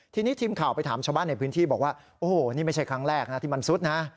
ทีนี้ทีมข่าวไปถามชาวบ้านในพื้นที่บอกว่าโอ้โหนี่ไม่ใช่ครั้งแรกนะที่มันซุดนะ